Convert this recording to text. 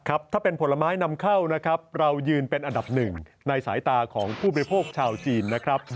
ถ้าเป็นผลไม้นำเข้านะครับเรายืนเป็นอันดับหนึ่งในสายตาของผู้บริโภคชาวจีนนะครับ